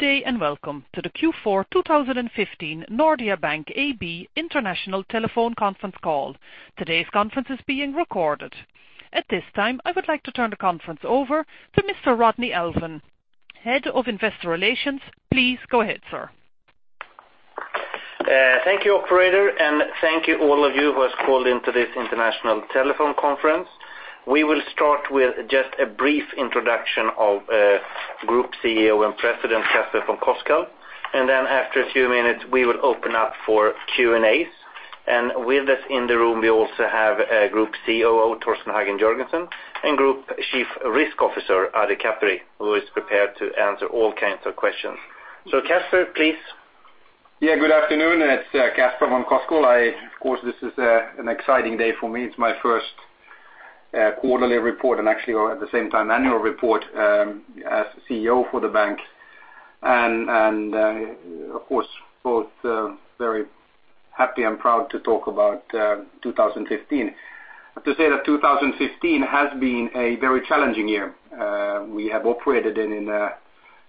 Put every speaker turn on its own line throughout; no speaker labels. Good day. Welcome to the Q4 2015 Nordea Bank Abp international telephone conference call. Today's conference is being recorded. At this time, I would like to turn the conference over to Mr. Rodney Alfvén, Head of Investor Relations. Please go ahead, sir.
Thank you, operator. Thank you all of you who have called into this international telephone conference. We will start with just a brief introduction of Group CEO and President, Casper von Koskull. After a few minutes, we will open up for Q&As. With us in the room, we also have Group COO, Torsten Hagen Jørgensen, and Group Chief Risk Officer, Ari Kaperi, who is prepared to answer all kinds of questions. Casper, please.
Good afternoon. It's Casper von Koskull. This is an exciting day for me. It's my first quarterly report and actually, at the same time, annual report as CEO for the bank. Of course, both very happy and proud to talk about 2015. I want to say that 2015 has been a very challenging year. We have operated in an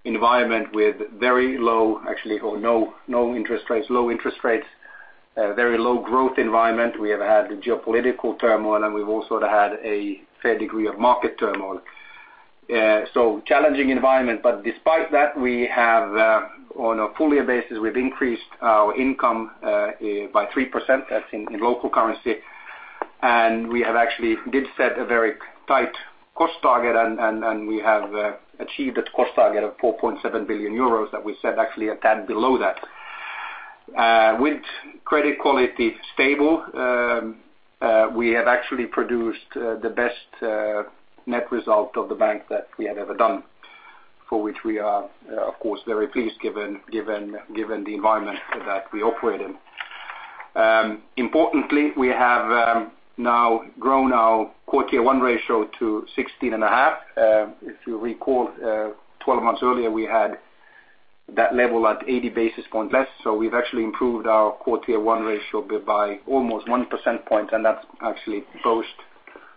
environment with very low, actually, or no interest rates, low interest rates, a very low growth environment. We have had the geopolitical turmoil, and we've also had a fair degree of market turmoil. Challenging environment, but despite that, we have on a full year basis, we've increased our income by 3%. That's in local currency. We have actually did set a very tight cost target and we have achieved that cost target of 4.7 billion euros that we set, actually a tad below that. With credit quality stable, we have actually produced the best net result of the bank that we had ever done. For which we are, of course, very pleased given the environment that we operate in. Importantly, we have now grown our Core Tier 1 ratio to 16.5%. If you recall, 12 months earlier, we had that level at 80 basis points less. We've actually improved our Core Tier 1 ratio by almost one percentage point, and that's actually post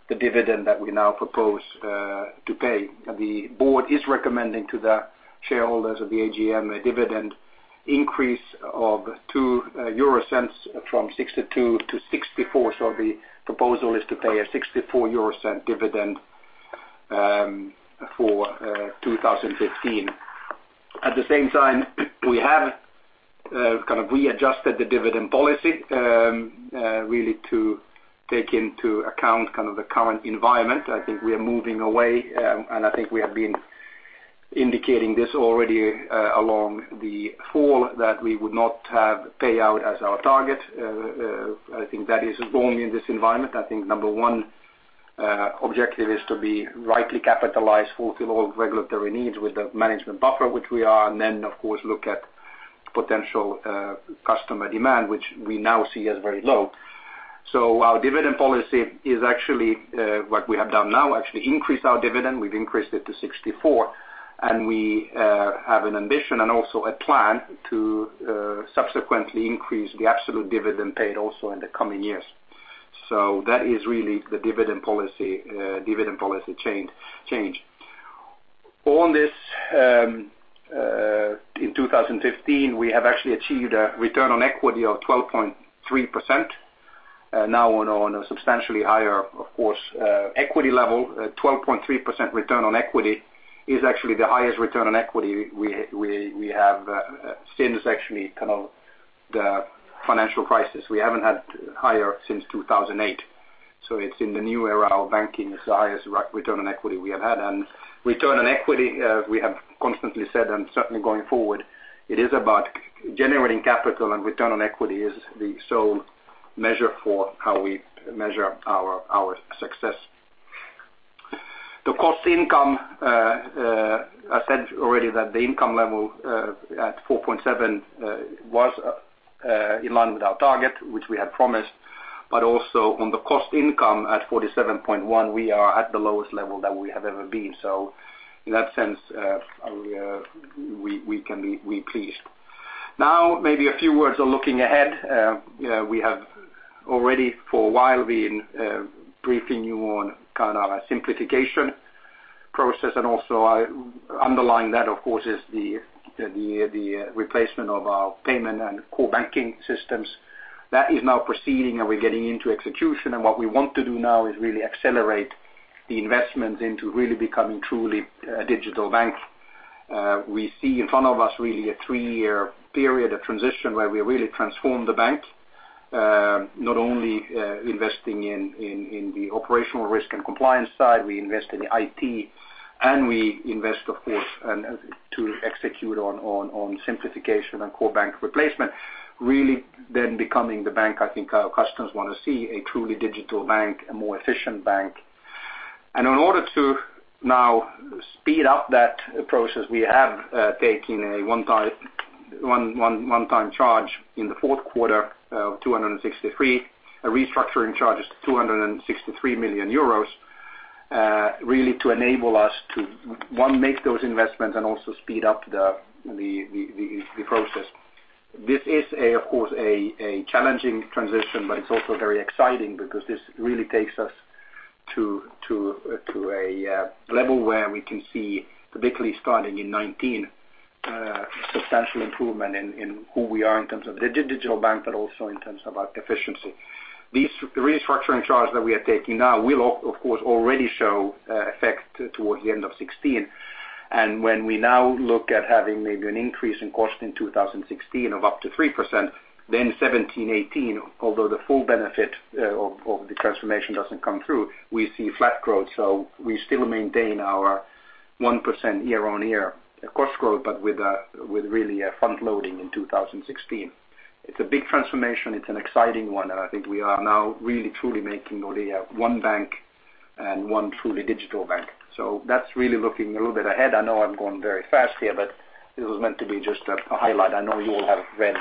the dividend that we now propose to pay. The board is recommending to the shareholders of the AGM a dividend increase of 0.02 from 0.62 to 0.64. The proposal is to pay a 0.64 dividend for 2015. At the same time, we have kind of readjusted the dividend policy, really to take into account the current environment. I think we are moving away. I think we have been indicating this already along the fall that we would not have payout as our target. I think that is only in this environment. I think number one objective is to be rightly capitalized for all regulatory needs with the management buffer, which we are. Then of course look at potential customer demand, which we now see as very low. Our dividend policy is actually what we have done now, actually increase our dividend. We've increased it to 0.64, and we have an ambition and also a plan to subsequently increase the absolute dividend paid also in the coming years. That is really the dividend policy change. On this, in 2015, we have actually achieved a return on equity of 12.3%. On a substantially higher, of course, equity level, 12.3% return on equity is actually the highest return on equity we have seen since actually the financial crisis. We haven't had higher since 2008. It's in the new era of banking is the highest return on equity we have had. Return on equity, we have constantly said, and certainly going forward, it is about generating capital and return on equity is the sole measure for how we measure our success. The cost income, I said already that income growth at 3%, which we had promised, but also on the cost income at 47.1%, we are at the lowest level that we have ever been. In that sense, we're pleased. Maybe a few words on looking ahead. We have already for a while been briefing you on our simplification process. Also underlying that, of course, is the replacement of our payment and core banking systems. That is now proceeding and we're getting into execution. What we want to do now is really accelerate the investment into really becoming truly a digital bank. We see in front of us really a three-year period of transition where we really transform the bank. Not only investing in the operational risk and compliance side, we invest in the IT, and we invest, of course, to execute on simplification and core bank replacement, really then becoming the bank I think our customers want to see, a truly digital bank, a more efficient bank. In order to now speed up that process, we have taken a one-time charge in the fourth quarter of 263 million, a restructuring charge of 263 million euros, really to enable us to, one, make those investments and also speed up the process. This is, of course, a challenging transition, but it's also very exciting because this really takes us to a level where we can see, particularly starting in 2019, substantial improvement in who we are in terms of the digital bank, but also in terms of our efficiency. These restructuring charges that we are taking now will, of course, already show effect towards the end of 2016. When we now look at having maybe an increase in cost in 2016 of up to 3%, 2017, 2018, although the full benefit of the transformation doesn't come through, we see flat growth. We still maintain our 1% year-on-year cost growth, but with really a front-loading in 2016. It's a big transformation. It's an exciting one, and I think we are now really truly making Nordea one bank and one truly digital bank. That's really looking a little bit ahead. I know I'm going very fast here, but this was meant to be just a highlight. I know you all have read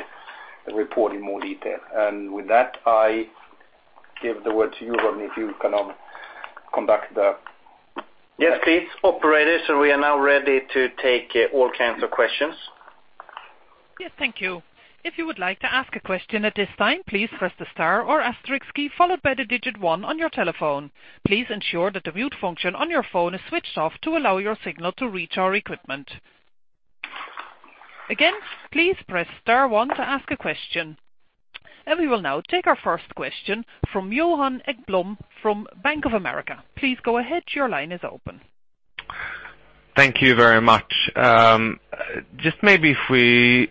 the report in more detail. With that, I give the word to you, Rodney, if you can come back there.
Yes, please. Operators, we are now ready to take all kinds of questions.
Yes, thank you. If you would like to ask a question at this time, please press the star or asterisk key followed by the digit 1 on your telephone. Please ensure that the mute function on your phone is switched off to allow your signal to reach our equipment. Again, please press star 1 to ask a question. We will now take our first question from Johan Ekblom from Bank of America. Please go ahead. Your line is open.
Thank you very much. Just maybe if we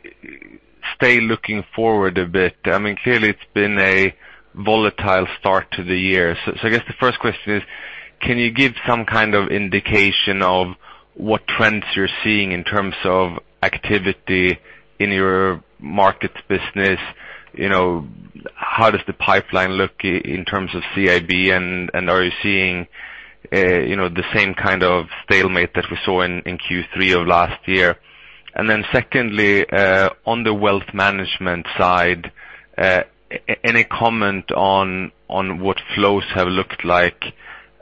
stay looking forward a bit. Clearly it's been a volatile start to the year. I guess the first question is, can you give some kind of indication of what trends you're seeing in terms of activity in your markets business? How does the pipeline look in terms of CIB? Are you seeing the same kind of stalemate that we saw in Q3 of last year? Then secondly, on the wealth management side, any comment on what flows have looked like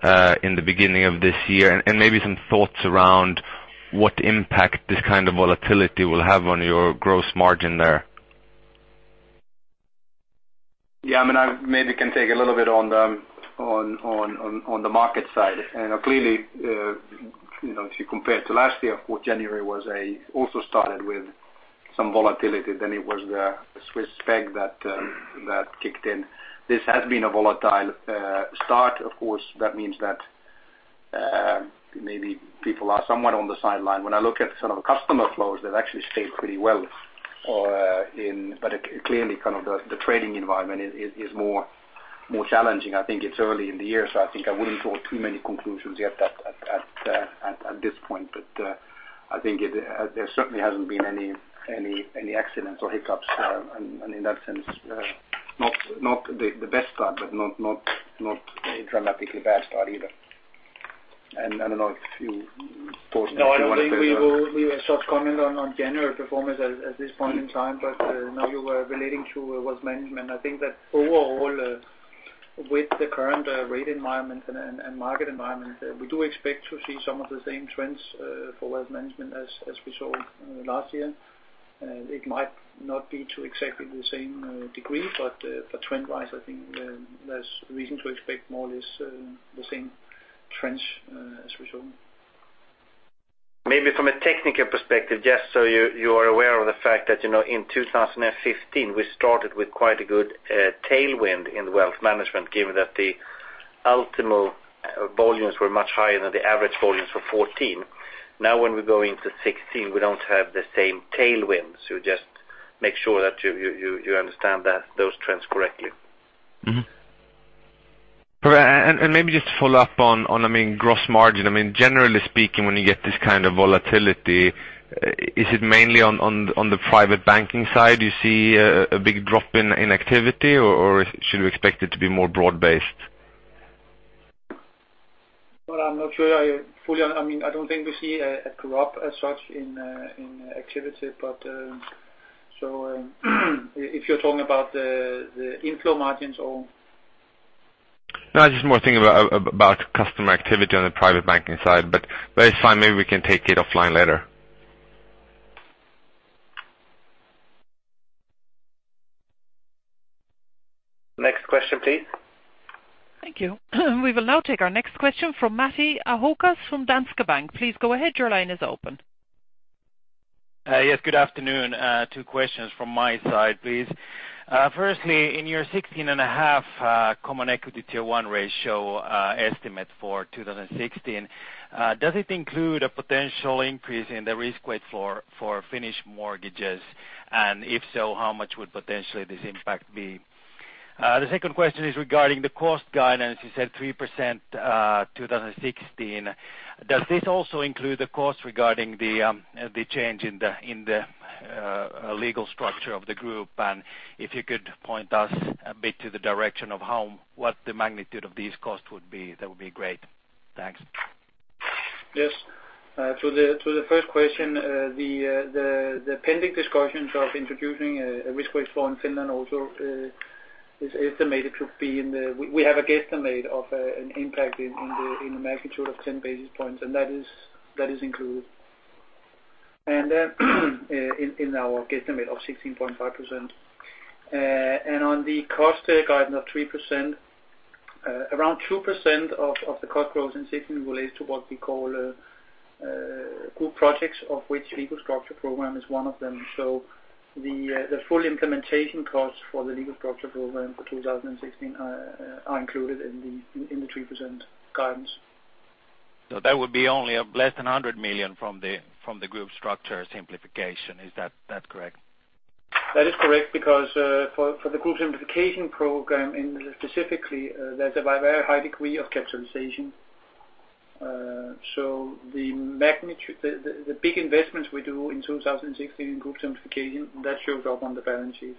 in the beginning of this year? Maybe some thoughts around what impact this kind of volatility will have on your gross margin there.
I maybe can take a little bit on the market side. Clearly, if you compare to last year, of course, January also started with some volatility. It was the Swiss peg that kicked in. This has been a volatile start. Of course, that means that maybe people are somewhat on the sideline. When I look at customer flows, they've actually stayed pretty well. Clearly the trading environment is more challenging. I think it's early in the year, I think I wouldn't draw too many conclusions yet at this point. I think there certainly hasn't been any accidents or hiccups. In that sense, not the best start, not a dramatically bad start either. I don't know if you, Bo, want to.
I don't think we will short comment on January performance at this point in time. Now you were relating to wealth management. I think that overall, with the current rate environment and market environment, we do expect to see some of the same trends for wealth management as we saw last year. It might not be to exactly the same degree, trend-wise, I think there's reason to expect more or less the same trends as we've shown. Maybe from a technical perspective, just so you are aware of the fact that in 2015, we started with quite a good tailwind in wealth management, given that the ultimo volumes were much higher than the average volumes for 2014. Now when we go into 2016, we don't have the same tailwind. Just make sure that you understand those trends correctly.
Maybe just to follow up on gross margin. Generally speaking, when you get this kind of volatility, is it mainly on the private banking side you see a big drop in activity, or should we expect it to be more broad based?
I'm not sure. I don't think we see a drop as such in activity. If you're talking about the inflow margins or
No, I just more thinking about customer activity on the private banking side, but that is fine. Maybe we can take it offline later.
Next question, please.
Thank you. We will now take our next question from Matti Ahokas from Danske Bank. Please go ahead. Your line is open.
Yes, good afternoon. two questions from my side, please. Firstly, in your 16.5% Common Equity Tier 1 ratio estimate for 2016, does it include a potential increase in the risk weight floor for Finnish mortgages? If so, how much would potentially this impact be? The second question is regarding the cost guidance. You said 3% 2016. Does this also include the cost regarding the change in the legal structure of the group? If you could point us a bit to the direction of what the magnitude of these costs would be, that would be great. Thanks.
Yes. To the first question, the pending discussions of introducing a risk weight floor in Finland also is estimated to be in the We have a guesstimate of an impact in the magnitude of 10 basis points, and that is included.
In our guidance of 16.5%. On the cost guidance of 3%, around 2% of the cost growth in local currencies relates to what we call group projects, of which legal structure program is one of them. The full implementation cost for the legal structure program for 2016 are included in the 3% guidance.
That would be only less than 100 million from the group structure simplification. Is that correct?
That is correct, because for the group simplification program specifically, there's a very high degree of capitalization. The big investments we do in 2016 in group simplification, that shows up on the balance sheet,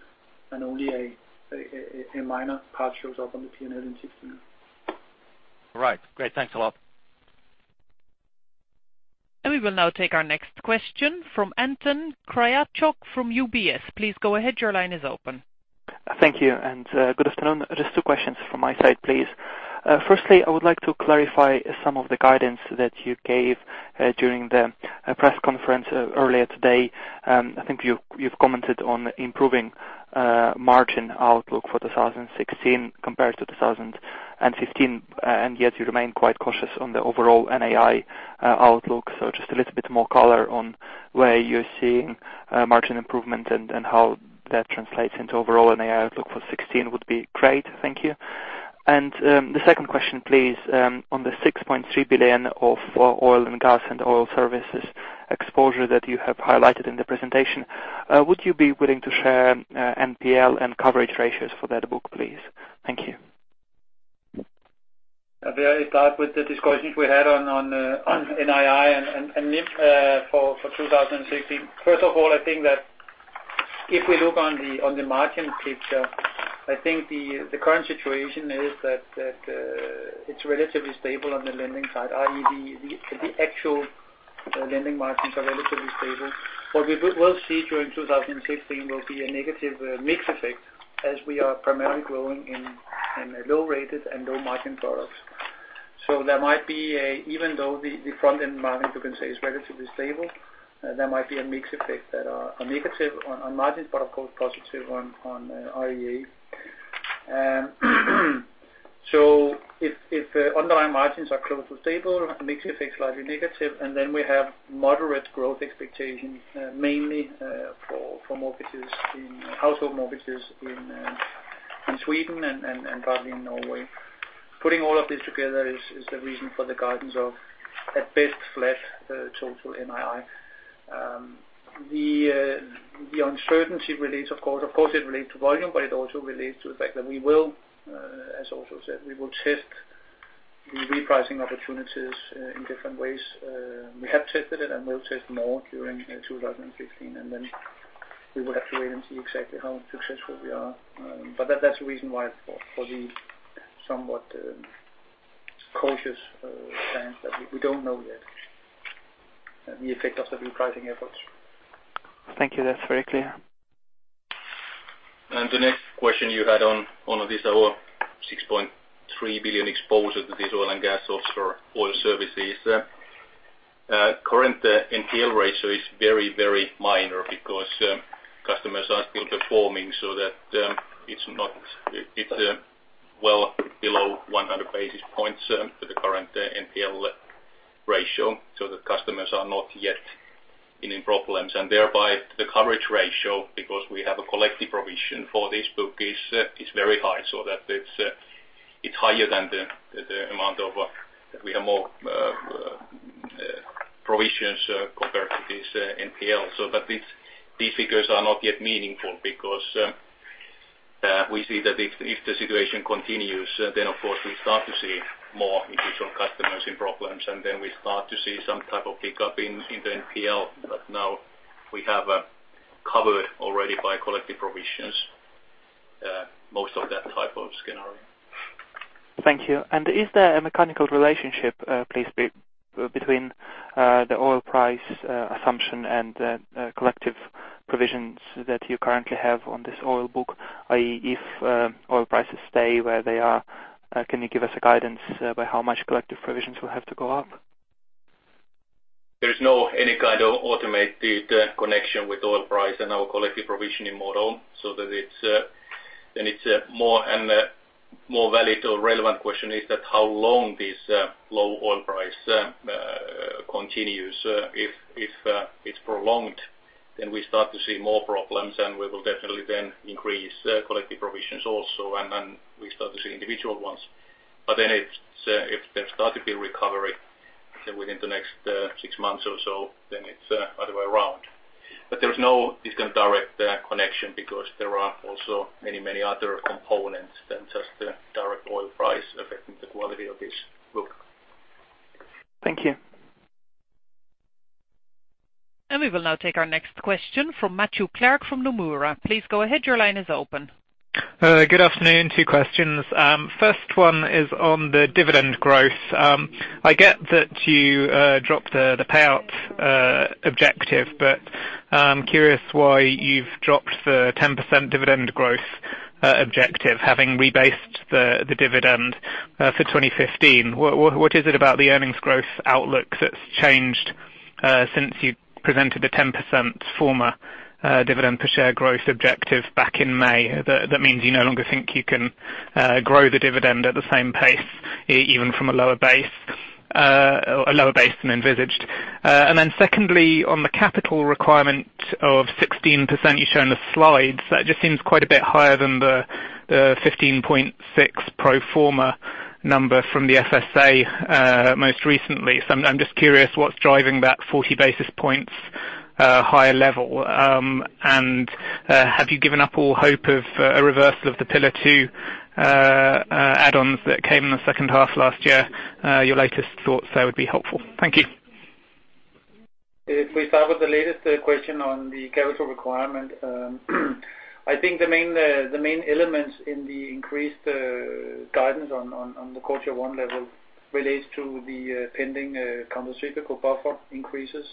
and only a minor part shows up on the P&L in 2016.
All right, great. Thanks a lot.
We will now take our next question from Anton Kryuchkov from UBS. Please go ahead. Your line is open.
Thank you, and good afternoon. Just two questions from my side, please. Firstly, I would like to clarify some of the guidance that you gave during the press conference earlier today. I think you've commented on improving margin outlook for 2016 compared to 2015, yet you remain quite cautious on the overall NII outlook. Just a little bit more color on where you're seeing margin improvement and how that translates into overall NII outlook for 2016 would be great. Thank you. The second question, please, on the 6.3 billion of oil and gas and oil services exposure that you have highlighted in the presentation. Would you be willing to share NPL and coverage ratios for that book, please? Thank you.
I'll start with the discussions we had on NII and NIM for 2016. First of all, I think that if we look on the margin picture, I think the current situation is that it's relatively stable on the lending side, i.e., the actual lending margins are relatively stable. What we will see during 2016 will be a negative mix effect as we are primarily growing in low-rated and low-margin products. Even though the front-end margin, you can say, is relatively stable, there might be a mix effect that are negative on margins, but of course positive on RWA. If underlying margins are close to stable, mix effect slightly negative, and then we have moderate growth expectations mainly for household mortgages in Sweden and probably in Norway. Putting all of this together is the reason for the guidance of at best flat total NII. The uncertainty, of course it relates to volume, but it also relates to the fact that we will, as also said, we will test the repricing opportunities in different ways. We have tested it and will test more during 2016, then we will have to wait and see exactly how successful we are. That's the reason why for the somewhat cautious stance that we don't know yet the effect of the repricing efforts.
Thank you. That's very clear.
The next question you had on this, our 6.3 billion exposure to this oil and gas or oil services. Current NPL ratio is very minor because customers are still performing so that it's well below 100 basis points for the current NPL ratio, so the customers are not yet in problems. Thereby the coverage ratio, because we have a collective provision for this book, is very high. That it's higher than the amount of We have more provisions compared to this NPL. These figures are not yet meaningful because we see that if the situation continues, of course we start to see more individual customers in problems, then we start to see some type of pickup in the NPL. Now we have covered already by collective provisions most of that type of scenario.
Thank you. Is there a mechanical relationship, please, between the oil price assumption and the collective provisions that you currently have on this oil book, i.e., if oil prices stay where they are, can you give us a guidance by how much collective provisions will have to go up?
There's no any kind of automated connection with oil price and our collective provisioning model. A more valid or relevant question is that how long this low oil price continues. If it's prolonged, we start to see more problems, and we will definitely then increase collective provisions also, and then we start to see individual ones. If there start to be recovery within the next six months or so, then it's other way around. There's no direct connection because there are also many other components than just the direct oil price affecting the quality of this book.
Thank you.
We will now take our next question from Matthew Clark from Nomura. Please go ahead, your line is open.
Good afternoon. Two questions. First one is on the dividend growth. I get that you dropped the payout objective, I'm curious why you've dropped the 10% dividend growth objective, having rebased the dividend for 2015. What is it about the earnings growth outlook that's changed since you presented the 10% former dividend per share growth objective back in May, that means you no longer think you can grow the dividend at the same pace, even from a lower base than envisaged? Secondly, on the capital requirement of 16% you show on the slides, that just seems quite a bit higher than the 15.6 pro forma number from the Finansinspektionen most recently. I'm just curious what's driving that 40 basis points higher level, and have you given up all hope of a reversal of the Pillar 2 add-ons that came in the second half last year? Your latest thoughts there would be helpful. Thank you.
We start with the latest question on the capital requirement. I think the main elements in the increased guidance on the quarter one level relates to the pending countercyclical buffer increases.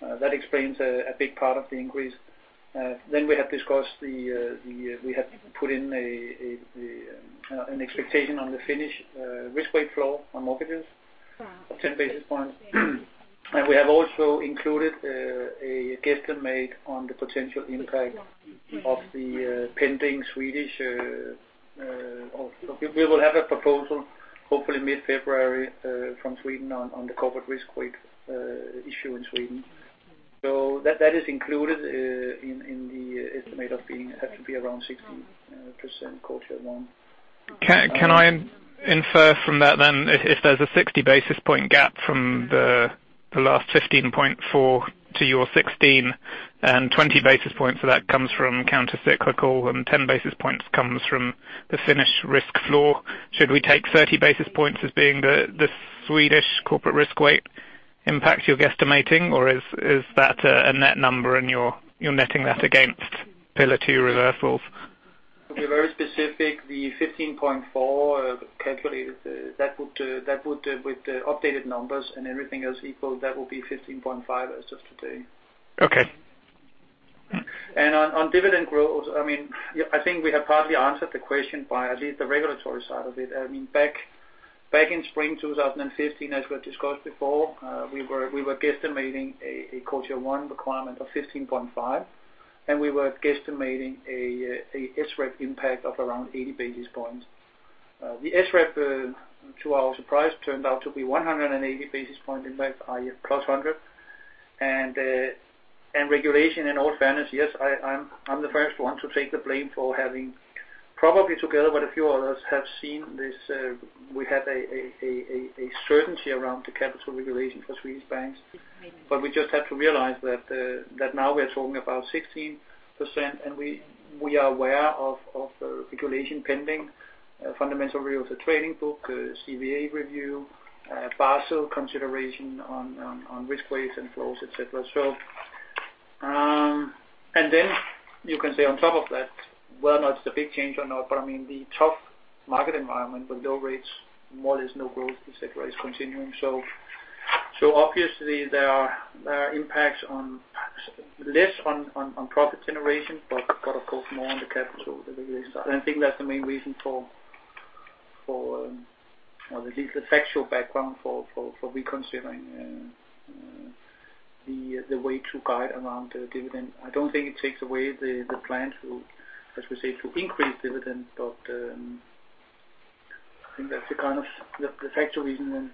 That explains a big part of the increase. We have put in an expectation on the Finnish risk weight floor on mortgages of 10 basis points. We have also included a guesstimate on the potential impact of the pending Swedish. We will have a proposal hopefully mid-February from Sweden on the corporate risk weight issue in Sweden. That is included in the estimate of it having to be around 16% quarter one.
Can I infer from that then, if there's a 60 basis point gap from the last 15.4 to your 16 and 20 basis points for that comes from countercyclical and 10 basis points comes from the Finnish risk floor. Should we take 30 basis points as being the Swedish corporate risk weight impact you're guesstimating? Or is that a net number and you're netting that against Pillar 2 reversals?
To be very specific, the 15.4 calculated, with the updated numbers and everything else equal, that will be 15.5 as of today.
Okay.
On dividend growth, I think we have partly answered the question by at least the regulatory side of it. Back in spring 2015, as we had discussed before, we were guesstimating a quarter one requirement of 15.5, we were guesstimating a SREP impact of around 80 basis points. The SREP, to our surprise, turned out to be 180 basis point impact, plus 100. Regulation, in all fairness, yes, I'm the first one to take the blame for having, probably together with a few others, have seen this. We had a certainty around the capital regulation for Swedish banks. We just have to realize that now we're talking about 16%, we are aware of the regulation pending, Fundamental Review of the Trading Book, CVA review, Basel consideration on risk weights and Capital Floor, et cetera. You can say on top of that, whether or not it's the big change or not, but the tough market environment with low rates, more or less no growth, et cetera, is continuing. Obviously there are impacts, less on profit generation, but of course more on the capital, the regulation side. I think that's the main reason for, or at least the factual background for reconsidering the way to guide around the dividend. I don't think it takes away the plan to, as we say, to increase dividends. I think that's the kind of the factual reason then.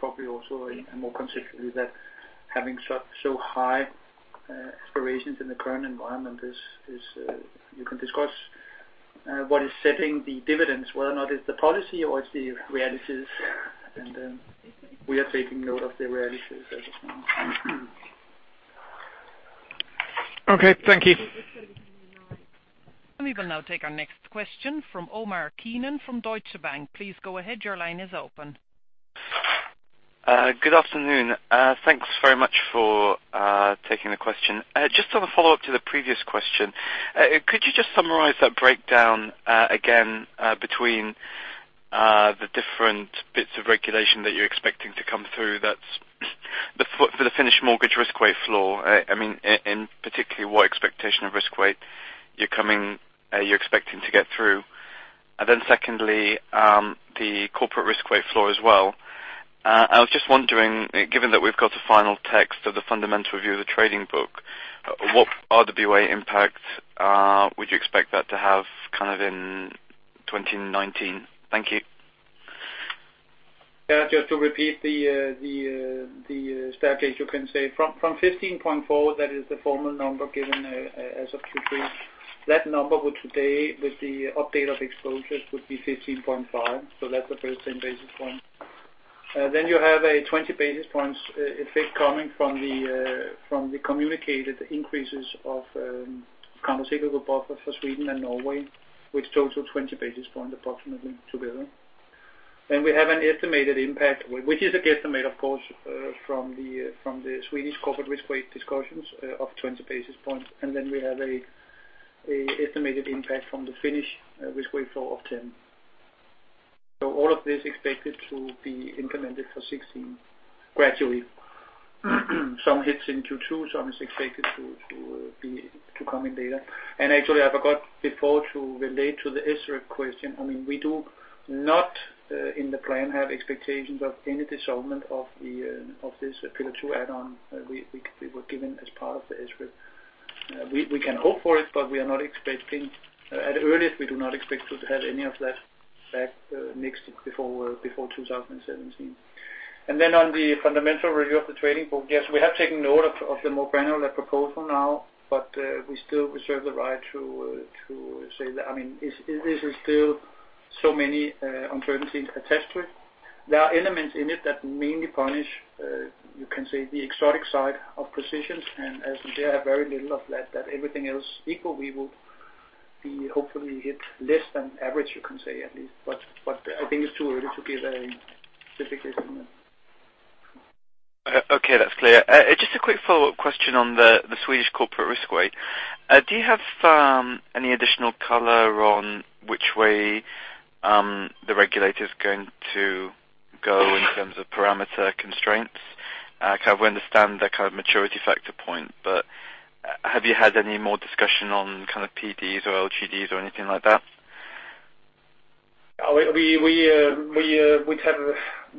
Probably also more consistently that having so high aspirations in the current environment is, you can discuss what is setting the dividends, whether or not it's the policy or it's the realities. We are taking note of the realities as of now.
Okay, thank you.
We will now take our next question from Omar Keenan from Deutsche Bank. Please go ahead. Your line is open.
Good afternoon. Thanks very much for taking the question. Just on a follow-up to the previous question. Could you just summarize that breakdown again between the different bits of regulation that you're expecting to come through for the Finnish mortgage risk weight floor? In particular, what expectation of risk weight you're expecting to get through? Secondly, the corporate risk weight floor as well. I was just wondering, given that we've got a final text of the Fundamental Review of the Trading Book, what RWA impact would you expect that to have in 2019? Thank you.
Just to repeat the staircase, you can say from 15.4, that is the formal number given as of Q3. That number with today, with the update of exposures, would be 15.5, so that's the first 10 basis points. You have a 20 basis points effect coming from the communicated increases of countercyclical buffer for Sweden and Norway, which total 20 basis points approximately together. We have an estimated impact, which is a guesstimate of course, from the Swedish corporate risk weight discussions of 20 basis points. We have an estimated impact from the Finnish risk weight floor of 10. All of this expected to be implemented for 2016 gradually. Some hits in Q2, some is expected to come in later. I forgot before to relate to the SREP question. We do not, in the plan, have expectations of any disarmament of this Pillar 2 add-on we were given as part of the SREP. We can hope for it, we are not expecting, at earliest, we do not expect to have any of that back mixed before 2017. On the Fundamental Review of the Trading Book, yes, we have taken note of the more granular proposal now. We still reserve the right to say that, this is still so many uncertainties attached to it. There are elements in it that mainly punish, you can say, the exotic side of positions, and as we have very little of that, everything else equal, we will be hopefully hit less than average, you can say, at least. I think it's too early to give any specific estimate.
Okay, that's clear. Just a quick follow-up question on the Swedish corporate risk weight. Do you have any additional color on which way the regulator is going to go in terms of parameter constraints? We understand the kind of maturity factor point, have you had any more discussion on PDs or LGDs or anything like that?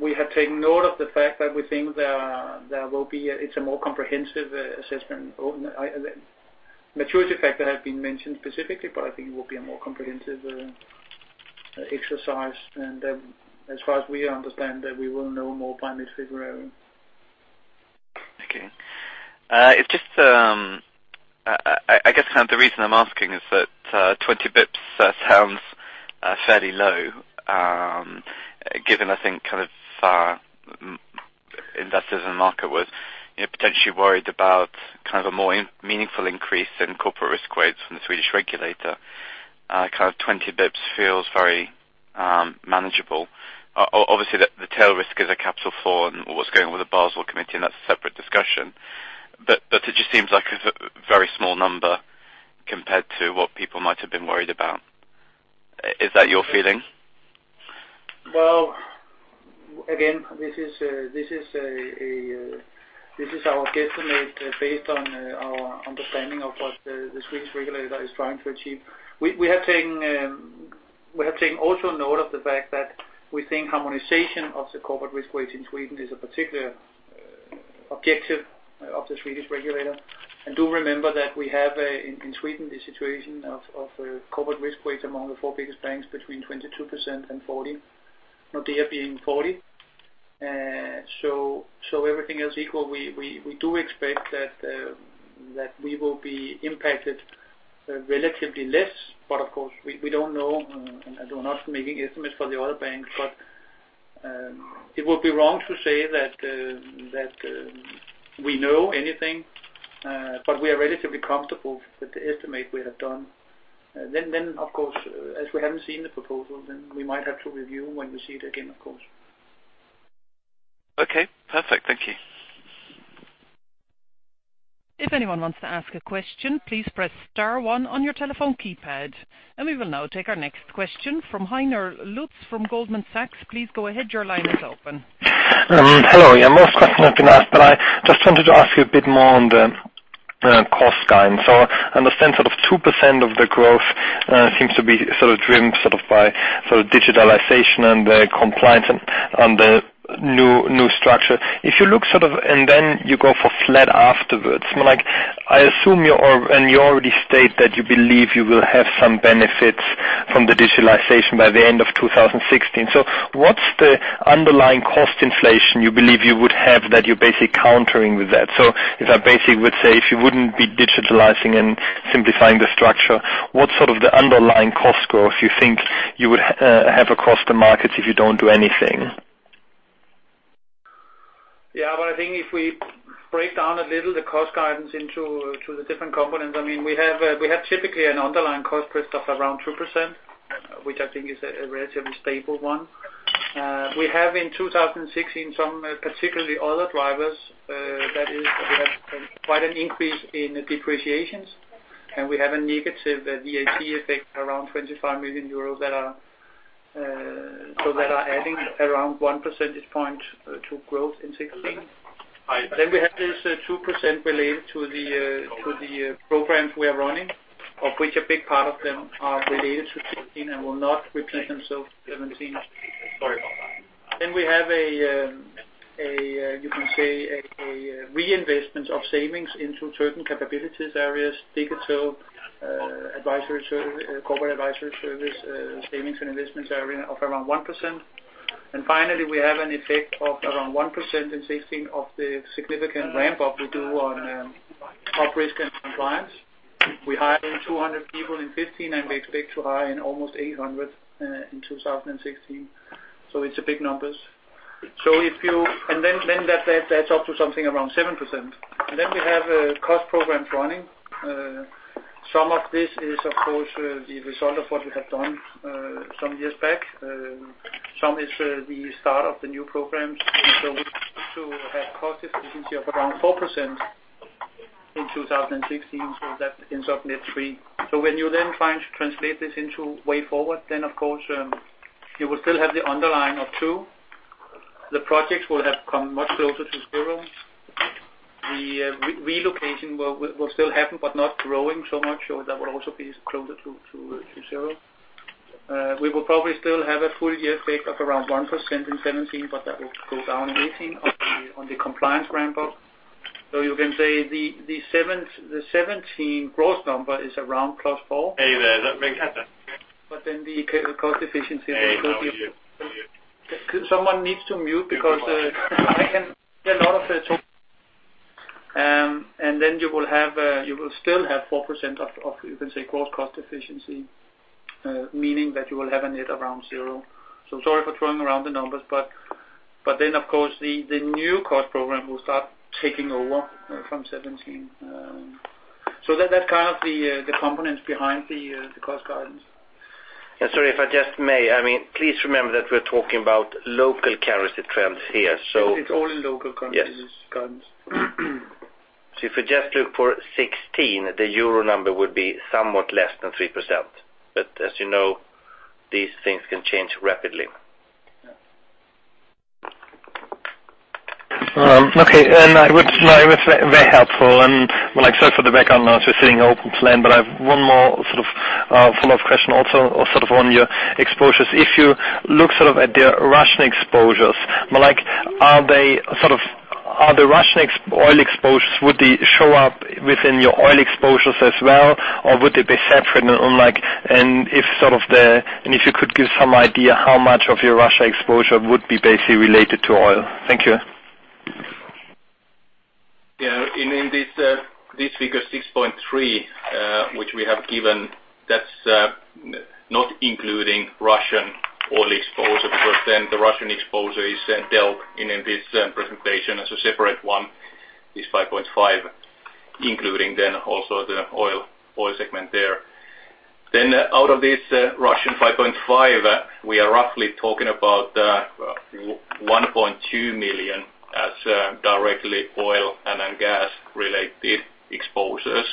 We have taken note of the fact that we think it's a more comprehensive assessment. Maturity factor has been mentioned specifically, but I think it will be a more comprehensive exercise. As far as we understand, we will know more by mid-February.
Okay. I guess the reason I'm asking is that 20 basis points sounds fairly low, given I think investors in the market were potentially worried about a more meaningful increase in corporate risk weights from the Swedish regulator. 20 basis points feels very manageable. Obviously, the tail risk is a Capital Floor and what's going on with the Basel Committee, and that's a separate discussion. It just seems like a very small number compared to what people might have been worried about. Is that your feeling?
Well, again, this is our guesstimate based on our understanding of what the Swedish regulator is trying to achieve. We have taken also note of the fact that we think harmonization of the corporate risk weight in Sweden is a particular objective of the Swedish regulator. Do remember that we have, in Sweden, the situation of corporate risk weight among the four biggest banks between 22% and 40%, Nordea being 40%. Everything else equal, we do expect that we will be impacted relatively less. Of course, we don't know, and we're not making estimates for the other banks. It would be wrong to say that we know anything, but we are relatively comfortable with the estimate we have done. Of course, as we haven't seen the proposal, then we might have to review when we see it again, of course.
Okay, perfect. Thank you.
If anyone wants to ask a question, please press star one on your telephone keypad. We will now take our next question from Heiner Lutz from Goldman Sachs. Please go ahead. Your line is open.
Hello. Most questions have been asked, I just wanted to ask you a bit more on the cost guidance. I understand 2% of the growth seems to be driven by digitalization and the compliance on the new structure. If you look and then you go for flat afterwards, I assume you, and you already state that you believe you will have some benefits from the digitalization by the end of 2016. What's the underlying cost inflation you believe you would have that you're basically countering with that? If I basically would say if you wouldn't be digitalizing and simplifying the structure, what's sort of the underlying cost growth you think you would have across the markets if you don't do anything?
I think if we break down a little the cost guidance into the different components, we have typically an underlying cost growth of around 2%, which I think is a relatively stable one. We have in 2016, some particularly other drivers, that is, we have quite an increase in depreciations, and we have a negative VAT effect around 25 million euros that are adding around one percentage point to growth in 2016. We have this 2% related to the programs we are running, of which a big part of them are related to 2016 and will not repeat themselves in 2017. We have a, you can say, a reinvestment of savings into certain capabilities areas, digital, corporate advisory service, savings and investments area of around 1%. Finally, we have an effect of around 1% in 2016 of the significant ramp up we do on operational risk and compliance. We hired 200 people in 2015, we expect to hire almost 800 in 2016. It's big numbers. That adds up to something around 7%. We have cost programs running. Some of this is, of course, the result of what we have done some years back. Some is the start of the new programs. We hope to have cost efficiency of around 4%. In 2016, that ends up net 3. When you then try to translate this into way forward, of course, you will still have the underlying of 2. The projects will have come much closer to 0. The relocation will still happen, but not growing so much, that will also be closer to 0. We will probably still have a full year effect of around 1% in 2017, that will go down in 2018 on the compliance ramp up. You can say the 2017 growth number is around +4.
Hey there. Let me have that.
The cost efficiency-
Hey, now it's mute.
Someone needs to mute because I can hear a lot of talk. You will still have 4% of, you can say, gross cost efficiency, meaning that you will have a net around zero. Sorry for throwing around the numbers, of course the new cost program will start taking over from 2017. That's kind of the components behind the cost guidance.
Sorry if I just may, please remember that we're talking about local currency trends here.
It's all in local currencies guidance.
Yes. If we just look for 2016, the EUR number would be somewhat less than 3%. As you know, these things can change rapidly.
It is very helpful. Sorry for the background noise, we are sitting open plan, but I have one more sort of follow-up question also on your exposures. If you look sort of at the Russian exposures, are the Russian oil exposures, would they show up within your oil exposures as well? Or would they be separate? If you could give some idea how much of your Russia exposure would be basically related to oil. Thank you.
Yeah. In this figure 6.3, which we have given, that is not including Russian oil exposure, because the Russian exposure is dealt in this presentation as a separate one, is 5.5, including also the oil segment there. Out of this Russian 5.5, we are roughly talking about 1.2 billion as directly oil and gas related exposures.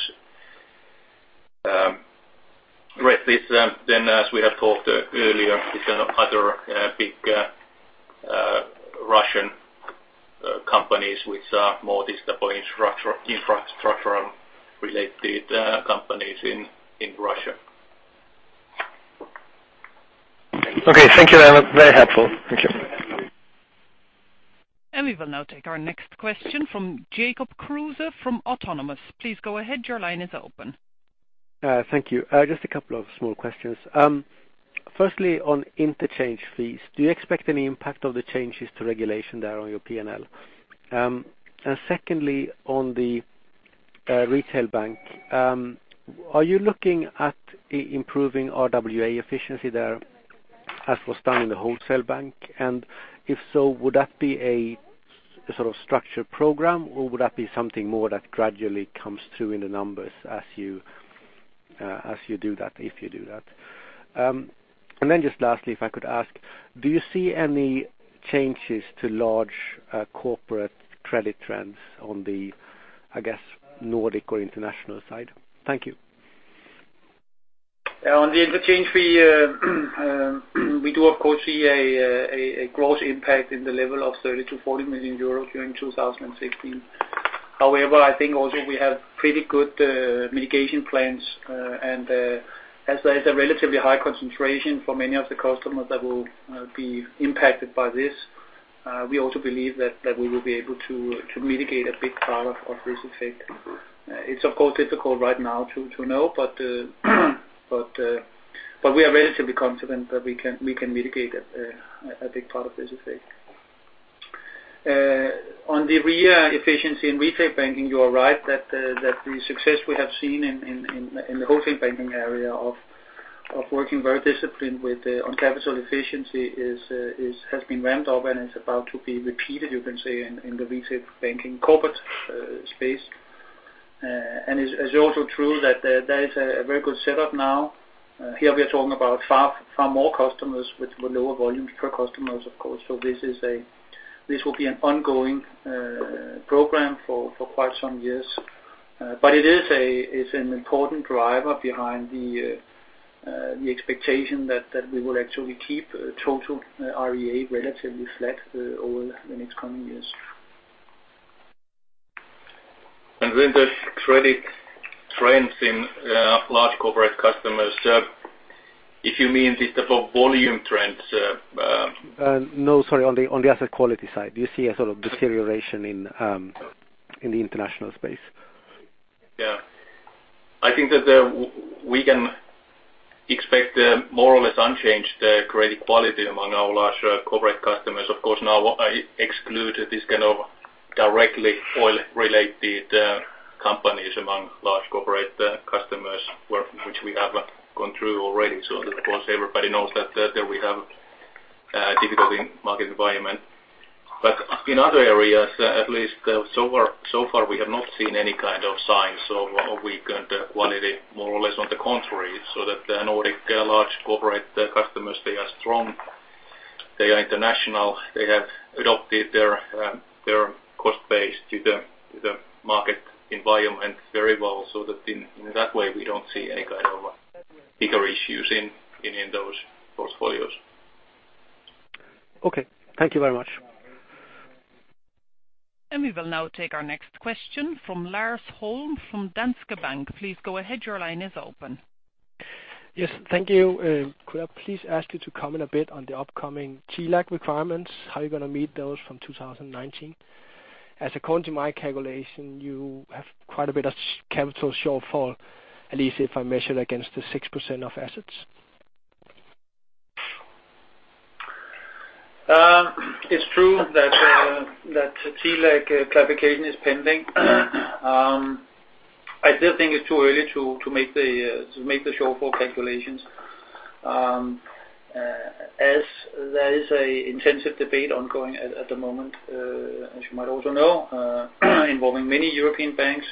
Rest is as we have talked earlier, is other big Russian companies which are more this type of infrastructure related companies in Russia.
Okay, thank you. That was very helpful. Thank you.
We will now take our next question from Jacob Kruse from Autonomous. Please go ahead. Your line is open.
Thank you. Just a couple of small questions. Firstly, on interchange fees, do you expect any impact of the changes to regulation there on your P&L? Secondly, on the retail bank, are you looking at improving RWA efficiency there as was done in the wholesale bank? If so, would that be a sort of structured program, or would that be something more that gradually comes through in the numbers as you do that, if you do that? Just lastly, if I could ask, do you see any changes to large corporate credit trends on the, I guess, Nordic or international side? Thank you.
On the interchange fee, we do of course see a growth impact in the level of 30 million-40 million euros during 2016. However, I think also we have pretty good mitigation plans. As a relatively high concentration for many of the customers that will be impacted by this, we also believe that we will be able to mitigate a big part of this effect. It's of course difficult right now to know, but we are relatively confident that we can mitigate a big part of this effect. On the RWA efficiency in retail banking, you are right that the success we have seen in the wholesale banking area of working very disciplined on capital efficiency has been ramped up and is about to be repeated, you can say, in the retail banking corporate space. It's also true that there is a very good setup now. Here we are talking about far more customers with lower volumes per customers, of course. This will be an ongoing program for quite some years. It's an important driver behind the expectation that we will actually keep total RWA relatively flat over the next coming years.
With the credit trends in large corporate customers, if you mean the type of volume trends-
No, sorry, on the asset quality side. Do you see a sort of deterioration in the international space?
Yeah. I think that we can expect more or less unchanged credit quality among our large corporate customers. Now I exclude this kind of directly oil related companies among large corporate customers, which we have gone through already. Of course everybody knows that there we have a difficult market environment. In other areas, at least so far we have not seen any kind of signs of weakened quality, more or less on the contrary, so that the Nordic large corporate customers, they are strong They are international. They have adopted their cost base to the market environment very well so that in that way, we don't see any kind of bigger issues in those portfolios.
Okay. Thank you very much.
We will now take our next question from Lars Holm from Danske Bank. Please go ahead. Your line is open.
Yes. Thank you. Could I please ask you to comment a bit on the upcoming TLAC requirements, how you're going to meet those from 2019? According to my calculation, you have quite a bit of capital shortfall, at least if I measure against the 6% of assets.
It's true that TLAC clarification is pending. I still think it's too early to make the shortfall calculations. There is an intensive debate ongoing at the moment, as you might also know, involving many European banks.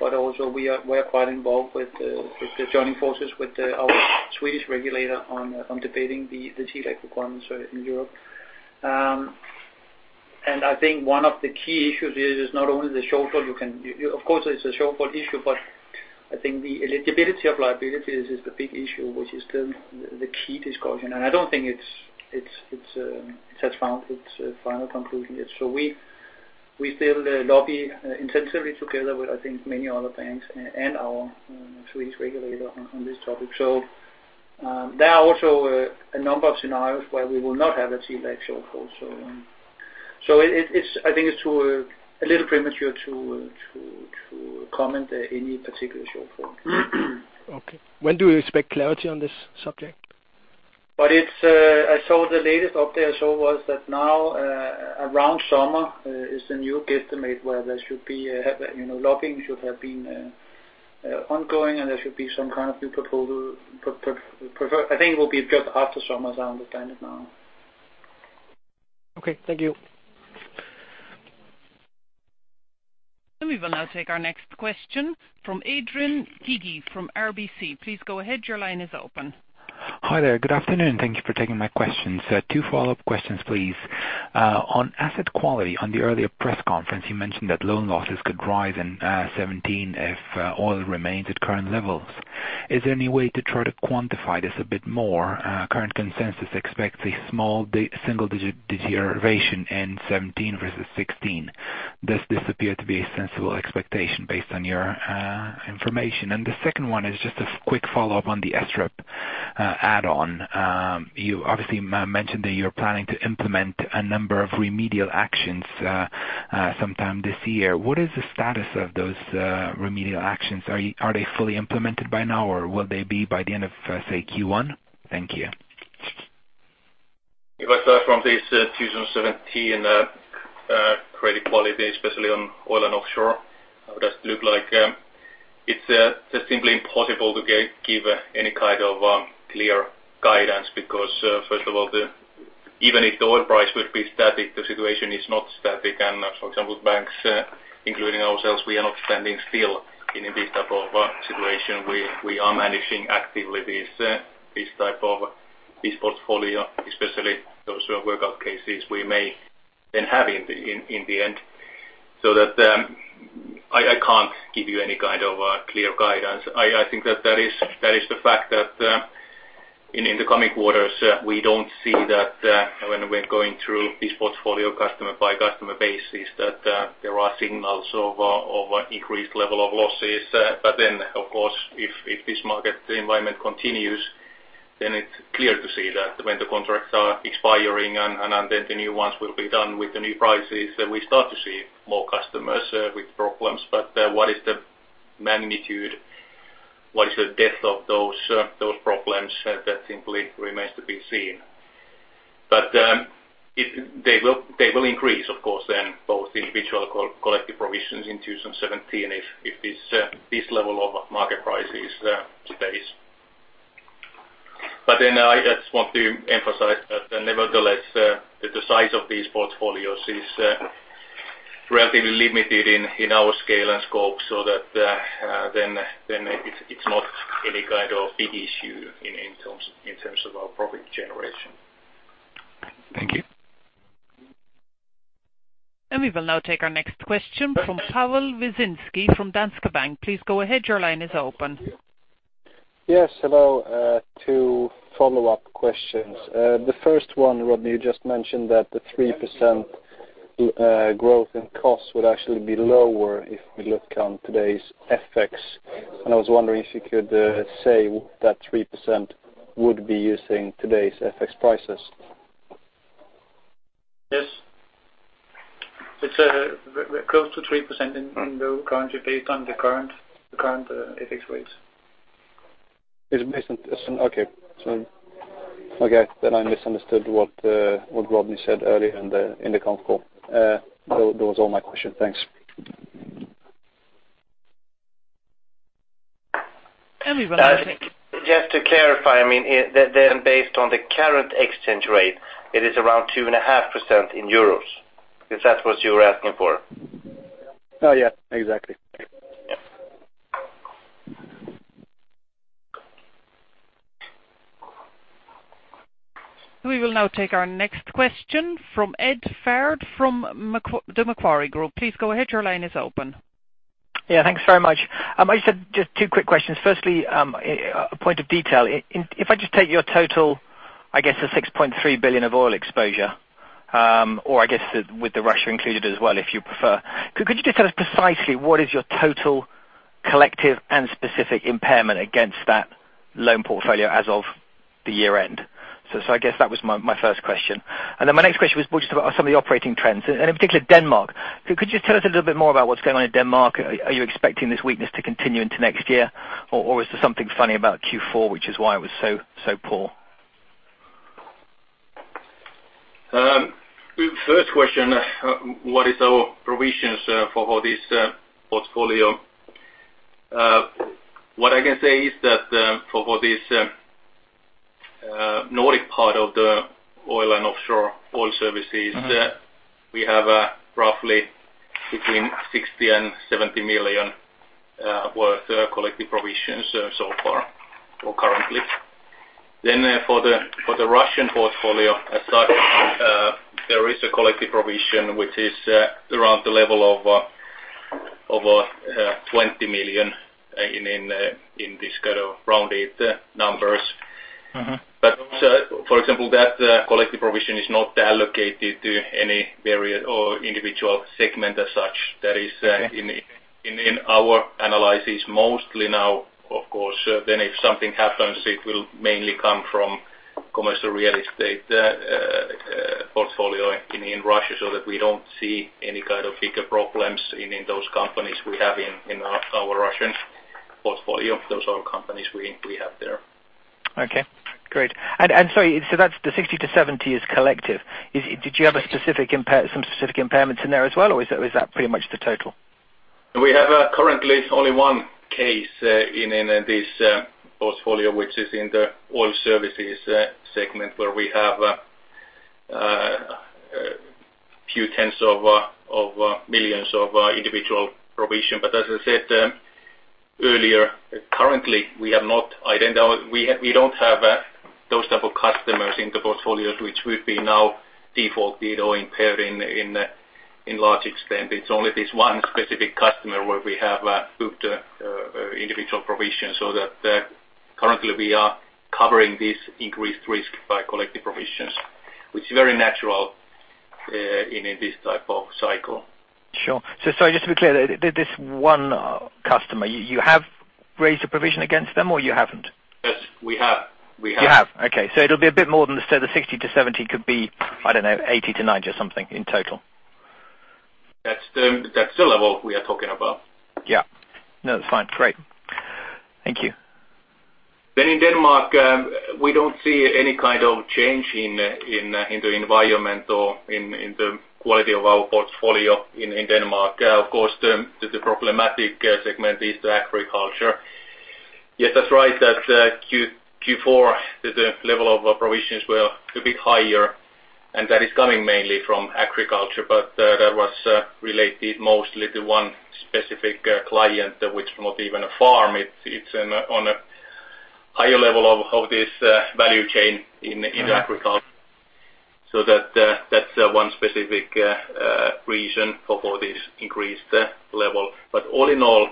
Also we are quite involved with the joining forces with our Swedish regulator on debating the TLAC requirements in Europe. I think one of the key issues here is not only the shortfall. Of course, it's a shortfall issue, but I think the eligibility of liabilities is the big issue, which is still the key discussion. I don't think it has found its final conclusion yet. We still lobby intensively together with, I think, many other banks and our Swedish regulator on this topic. There are also a number of scenarios where we will not have a TLAC shortfall. I think it's a little premature to comment any particular shortfall.
Okay. When do you expect clarity on this subject?
The latest update I saw was that now around summer is the new guesstimate where there should be lobbying, should have been ongoing, there should be some kind of new proposal. I think it will be just after summer, as I understand it now.
Okay. Thank you.
We will now take our next question from Adrian Teedee from RBC. Please go ahead. Your line is open.
Hi there. Good afternoon. Thank you for taking my questions. Two follow-up questions, please. On asset quality, on the earlier press conference, you mentioned that loan losses could rise in 2017 if oil remains at current levels. Is there any way to try to quantify this a bit more? Current consensus expects a small single-digit deterioration in 2017 versus 2016. Does this appear to be a sensible expectation based on your information? The second one is just a quick follow-up on the SREP add-on. You obviously mentioned that you're planning to implement a number of remedial actions sometime this year. What is the status of those remedial actions? Are they fully implemented by now, or will they be by the end of, say, Q1? Thank you.
If I start from this 2017 credit quality, especially on oil and offshore, it does look like it's just simply impossible to give any kind of clear guidance because first of all, even if the oil price would be static, the situation is not static. For example, banks, including ourselves, we are not standing still in this type of situation. We are managing actively this portfolio, especially those workout cases we may then have in the end. That I can't give you any kind of clear guidance. I think that is the fact that in the coming quarters, we don't see that when we're going through this portfolio customer by customer basis, that there are signals of increased level of losses.
Of course, if this market environment continues, then it's clear to see that when the contracts are expiring and then the new ones will be done with the new prices, we start to see more customers with problems. What is the magnitude? What is the depth of those problems? That simply remains to be seen. They will increase, of course then, both individual collective provisions in 2017 if this level of market price is the base. I just want to emphasize that nevertheless, that the size of these portfolios is relatively limited in our scale and scope, so that then it's not any kind of big issue in terms of our profit generation.
Thank you.
We will now take our next question from Pawel Wielgosz from Danske Bank. Please go ahead. Your line is open.
Yes. Hello. Two follow-up questions. The first one, Rodney, you just mentioned that the 3% growth in costs would actually be lower if we look on today's FX. I was wondering if you could say that 3% would be using today's FX prices.
Yes. It's close to 3% in local currency based on the current FX rates.
Okay. I misunderstood what Rodney said earlier in the conf call. That was all my question. Thanks.
We will now.
Just to clarify, then based on the current exchange rate, it is around 2.5% in EUR. Is that what you were asking for?
Yeah, exactly.
We will now take our next question from Ed Firth from the Macquarie Group. Please go ahead. Your line is open.
Thanks very much. I just have two quick questions. Firstly, a point of detail. If I just take your total 6.3 billion of oil exposure, or with Russia included as well, if you prefer. Could you just tell us precisely what is your total collective and specific impairment against that loan portfolio as of the year-end? That was my first question. My next question was just about some of the operating trends, and in particular Denmark. Could you tell us a little bit more about what's going on in Denmark? Are you expecting this weakness to continue into next year? Is there something funny about Q4, which is why it was so poor?
First question, what are our provisions for this portfolio? What I can say is that for this Nordic part of the oil and offshore oil services, we have roughly between 60 million and 70 million worth collective provisions so far, or currently. For the Russian portfolio as such, there is a collective provision which is around the level of 20 million in this kind of rounded numbers. For example, that collective provision is not allocated to any variant or individual segment as such. That is in our analysis mostly now, of course. If something happens, it will mainly come from commercial real estate portfolio in Russia, we don't see any kind of bigger problems in those companies we have in our Russian portfolio. Those are companies we have there.
Okay, great. Sorry, the 60 million to 70 million is collective. Did you have some specific impairments in there as well, or is that pretty much the total?
We have currently only one case in this portfolio, which is in the oil services segment, where we have a few tens of millions of EUR individual provision. As I said earlier, currently we don't have those type of customers in the portfolios which would be now defaulted or impaired in large extent. It's only this one specific customer where we have booked individual provisions so that currently we are covering this increased risk by collective provisions, which is very natural in this type of cycle.
Sure. Sorry, just to be clear, this one customer, you have raised a provision against them or you haven't?
Yes, we have.
You have. Okay. It'll be a bit more than, say, the 60 million-70 million could be, I don't know, 80 million-90 million or something in total.
That's the level we are talking about.
Yeah. No, that's fine. Great. Thank you.
In Denmark, we don't see any kind of change in the environment or in the quality of our portfolio in Denmark. Of course, the problematic segment is the agriculture. Yes, that's right. Q4, the level of provisions were a bit higher, and that is coming mainly from agriculture, but that was related mostly to one specific client, which is not even a farm. It's on a higher level of this value chain in agriculture. That's one specific reason for this increased level. All in all,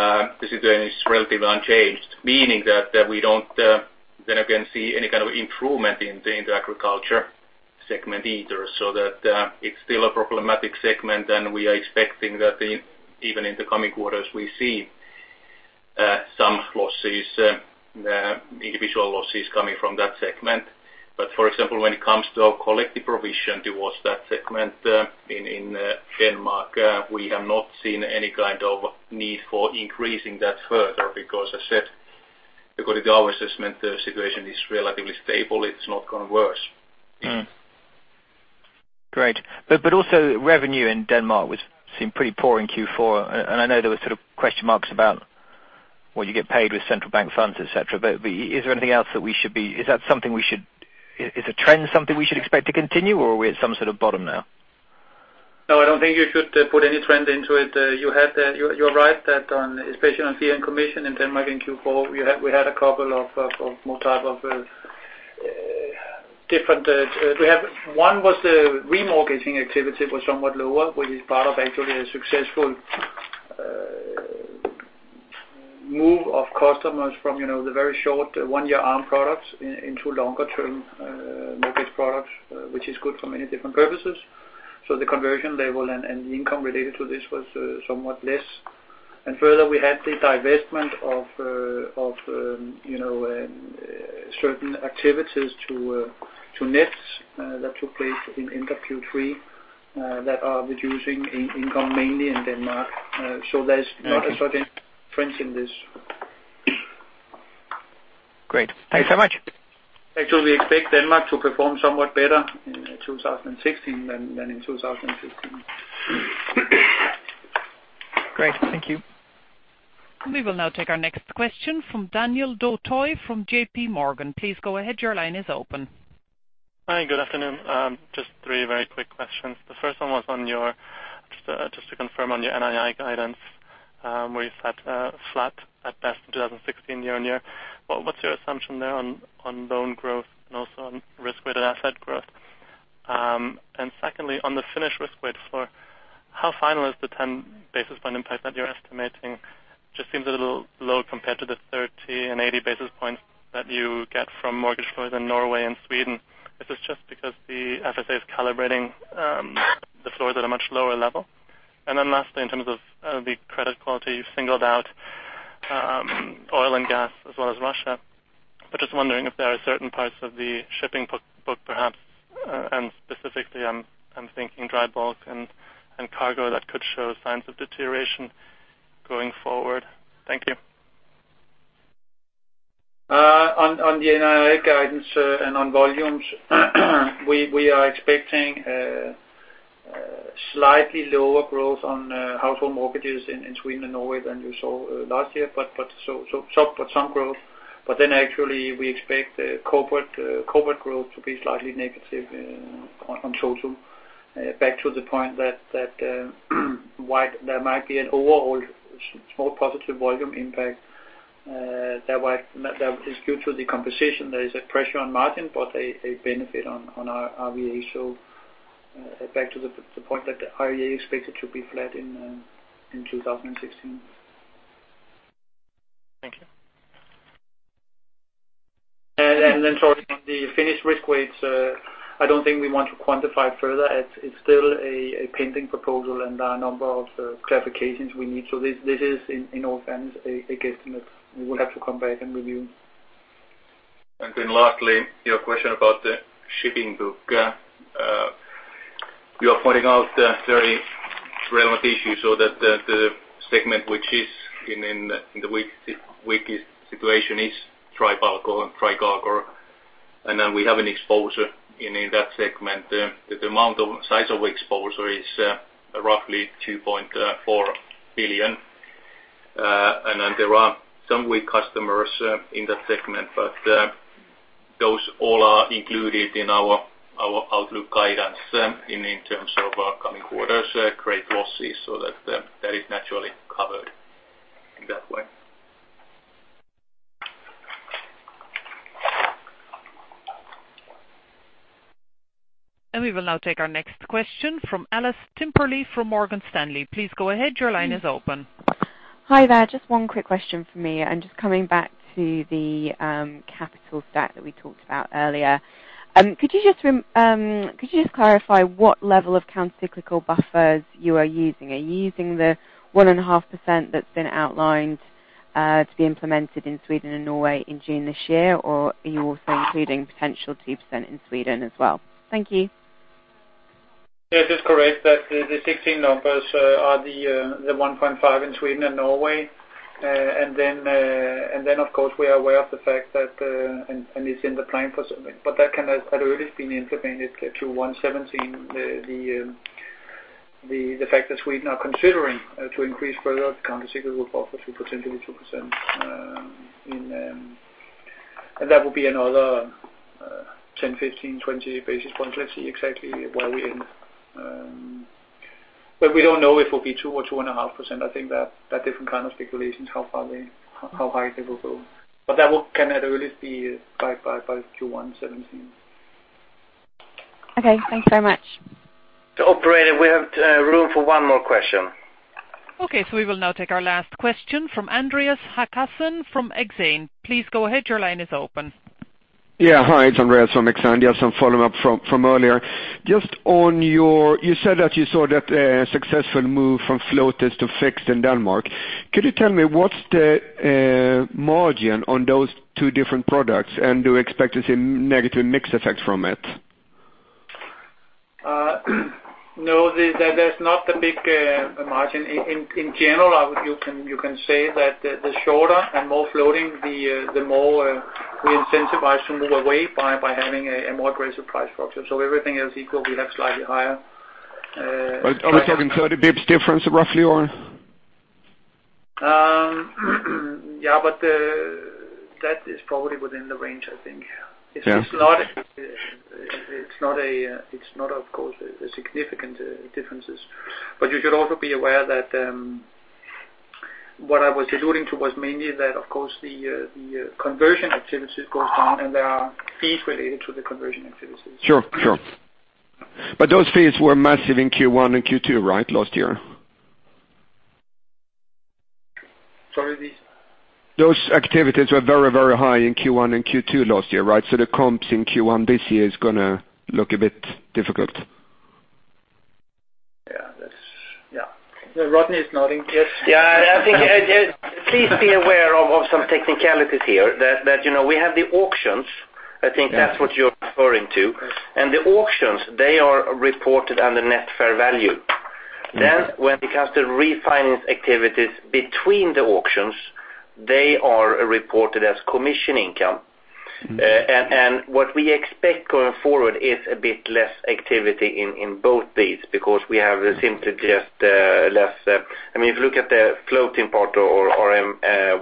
the situation is relatively unchanged, meaning that we don't, then again, see any kind of improvement in the agriculture segment either. That it's still a problematic segment, and we are expecting that even in the coming quarters, we see some individual losses coming from that segment. For example, when it comes to our collective provision towards that segment in Denmark, we have not seen any kind of need for increasing that further because I said, according to our assessment, the situation is relatively stable. It's not gone worse.
Great. Also revenue in Denmark seemed pretty poor in Q4. I know there were sort of question marks about what you get paid with central bank funds, et cetera. Is there anything else that we should expect to continue, or are we at some sort of bottom now?
No, I don't think you should put any trend into it. You're right that, especially on fee and commission in Denmark in Q4, One was the remortgaging activity was somewhat lower, which is part of actually a successful move of customers from the very short one-year ARM products into longer term mortgage products, which is good for many different purposes. The conversion level and the income related to this was somewhat less. Further, we had the divestment of certain activities to Nets that took place in end of Q3 that are reducing income mainly in Denmark. There's not a certain trend in this.
Great. Thanks so much.
Actually, we expect Denmark to perform somewhat better in 2016 than in 2015.
Great. Thank you.
We will now take our next question from Daniel Do-Toya from JPMorgan. Please go ahead. Your line is open.
Hi, good afternoon. Just three very quick questions. The first one was just to confirm on your NII guidance, where you sat flat at best in 2016 year-on-year. What's your assumption there on loan growth and also on risk-weighted asset growth? Secondly, on the Finnish risk-weight floor, how final is the 10 basis point impact that you're estimating? Just seems a little low compared to the 30 and 80 basis points that you get from mortgage floors in Norway and Sweden. Is this just because the Finansinspektionen is calibrating the floors at a much lower level? Lastly, in terms of the credit quality, you've singled out oil and gas as well as Russia. But just wondering if there are certain parts of the shipping book perhaps, and specifically I'm thinking dry bulk and cargo that could show signs of deterioration going forward. Thank you.
On the NII guidance and on volumes, we are expecting slightly lower growth on household mortgages in Sweden and Norway than you saw last year, but some growth. Actually we expect corporate growth to be slightly negative on total. Back to the point that while there might be an overall small positive volume impact, that is due to the composition. There is a pressure on margin, but a benefit on RWA. Back to the point that the RWA is expected to be flat in 2016.
Thank you.
Sorry, on the Finnish risk weights, I don't think we want to quantify it further. It's still a pending proposal and there are a number of clarifications we need. This is in all fairness, a guesstimate. We will have to come back and review.
Lastly, your question about the shipping book. You are pointing out a very relevant issue, so that the segment which is in the weakest situation is dry bulk or dry cargo, and then we have an exposure in that segment. The size of exposure is roughly 2.4 billion. There are some weak customers in that segment, but those all are included in our outlook guidance in terms of our coming quarters, credit losses, so that is naturally covered in that way.
We will now take our next question from Alice Timperley from Morgan Stanley. Please go ahead. Your line is open.
Hi there. Just one quick question from me, coming back to the capital stat that we talked about earlier. Could you just clarify what level of countercyclical buffers you are using? Are you using the 1.5% that's been outlined to be implemented in Sweden and Norway in June this year, or are you also including potential 2% in Sweden as well? Thank you.
Yes, it's correct that the 2016 numbers are the 1.5 in Sweden and Norway. Of course, we are aware of the fact that, it's in the plan, that can at earliest been implemented Q1 2017, the fact that Sweden are considering to increase further countercyclical buffer to potentially 2%. That will be another 10, 15, 20 basis points. Let's see exactly where we end. We don't know if it will be 2 or 2.5%. I think there are different kind of speculations how high they will go. That can at earliest be by Q1 2017.
Okay, thanks so much.
Operator, we have room for one more question.
Okay, we will now take our last question from Andreas Håkansson from Exane. Please go ahead. Your line is open.
Yeah. Hi, it's Andreas from Exane. Just some follow-up from earlier. You said that you saw that successful move from floaters to fixed in Denmark. Could you tell me what's the margin on those two different products, and do you expect to see negative mix effect from it?
No, there's not a big margin. In general, you can say that the shorter and more floating, the more we incentivize to move away by having a more aggressive price structure. Everything else equal, we have slightly higher-
Are we talking 30 basis points difference roughly on?
Yeah, that is probably within the range, I think.
Yeah.
It's not of course a significant differences. You should also be aware that what I was alluding to was mainly that, of course, the conversion activities goes down, and there are fees related to the conversion activities.
Sure. Those fees were massive in Q1 and Q2, right? Last year.
Sorry, the?
Those activities were very, very high in Q1 and Q2 last year, right? The comps in Q1 this year is going to look a bit difficult.
Yeah. Rodney is nodding yes.
Yeah. I think please be aware of some technicalities here, that we have the auctions, I think that's what you're referring to. The auctions, they are reported under net fair value. When it comes to refinance activities between the auctions, they are reported as commission income. What we expect going forward is a bit less activity in both these, because we have simply just less, if you look at the floating part or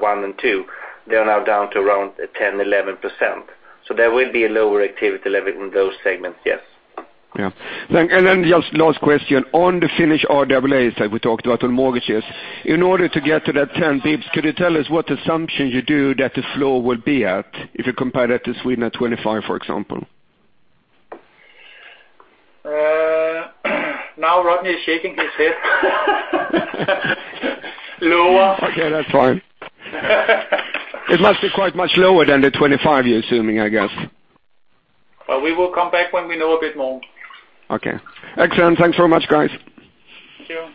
one and two, they are now down to around 10%, 11%. There will be a lower activity level in those segments, yes.
Yeah. Just last question. On the Finnish RWAs that we talked about on mortgages, in order to get to that 10 basis points, could you tell us what assumptions you do that the flow will be at if you compare that to Sweden at 25, for example?
Rodney is shaking his head. Lower.
That's fine. It must be quite much lower than the 25 you're assuming, I guess.
We will come back when we know a bit more.
Excellent. Thanks very much, guys.
Thank you.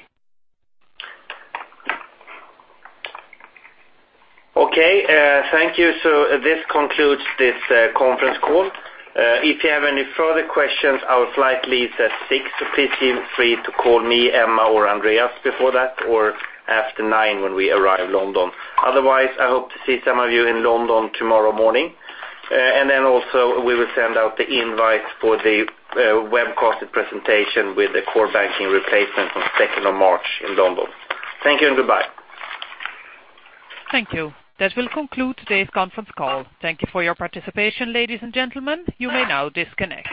Okay, thank you. This concludes this conference call. If you have any further questions, our flight leaves at 6:00 P.M., please feel free to call me, Emma, or Andreas before that, or after 9:00 A.M. when we arrive London. Otherwise, I hope to see some of you in London tomorrow morning. Also, we will send out the invites for the webcast presentation with the core banking replacement on 2nd of March in London. Thank you and goodbye.
Thank you. That will conclude today's conference call. Thank you for your participation, ladies and gentlemen. You may now disconnect.